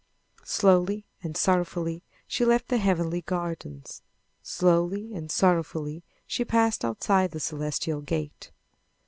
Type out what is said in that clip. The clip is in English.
Slowly and sorrowfully she left the heavenly gardens. Slowly and sorrowfully she passed outside the celestial gate.